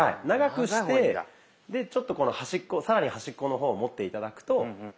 長くしてちょっとこの端っこ更に端っこの方を持って頂くと。